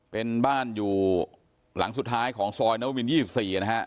เป็นบ้านอยู่หลังสุดท้ายของซอยนววิน๒๔นะฮะ